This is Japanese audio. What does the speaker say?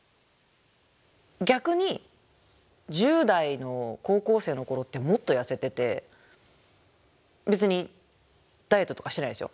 逆に１０代の高校生の頃ってもっと痩せてて別にダイエットとかしてないですよ。